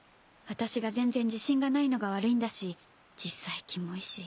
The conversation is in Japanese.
私が全然自信がないのが悪いんだし実際キモいし。